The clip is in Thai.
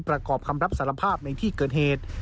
ประกอบคำรับสารภาพในที่เกิดเหตุ